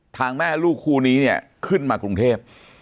ทางแม่ลูกครูนี้ขึ้นมากรุงเทพ